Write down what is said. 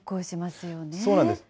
そうなんです。